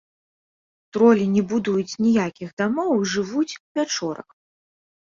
Тролі не будуюць ніякіх дамоў і жывуць у пячорах.